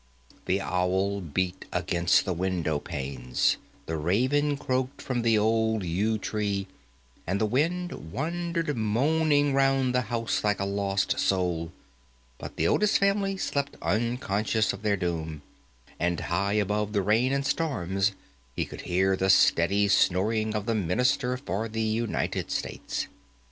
The owl beat against the window panes, the raven croaked from the old yew tree, and the wind wandered moaning round the house like a lost soul; but the Otis family slept unconscious of their doom, and high above the rain and storm he could hear the steady snoring of the Minister for the United States.